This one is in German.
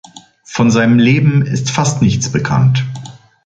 Von seinem Leben ist fast nichts bekannt.